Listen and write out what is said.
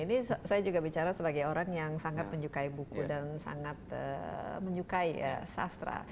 ini saya juga bicara sebagai orang yang sangat menyukai buku dan sangat menyukai sastra